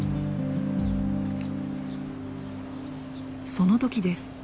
その時です。